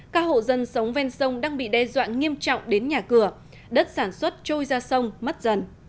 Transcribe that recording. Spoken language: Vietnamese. các hộ dân sống ven sông đang bị đe dọa nghiêm trọng đến nhà cửa đất sản xuất trôi ra sông mất dần